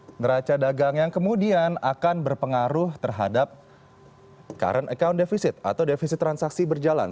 neraca dagang yang kemudian akan berpengaruh terhadap current account defisit atau defisit transaksi berjalan